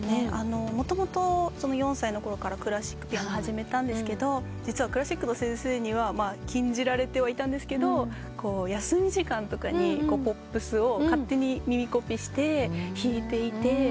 もともと４歳のころからクラシックピアノ始めたんですけど実はクラシックの先生には禁じられてはいたんですけど休み時間とかにポップスを勝手に耳コピして弾いていて。